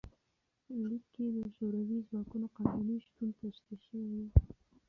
لیک کې د شوروي ځواکونو قانوني شتون تشریح شوی و.